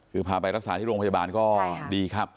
คือพาไปรักษาที่โรงพยาบาลก็ดีครับ